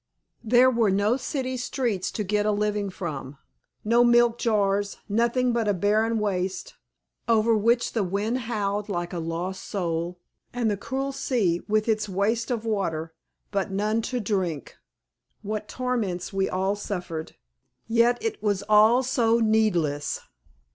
There were no city streets to get a living from, no milk jars; nothing but a barren waste, over which the wind howled like a lost soul, and the cruel sea, with its waste of water, but none to drink. What torments we all suffered! Yet it was all so needless.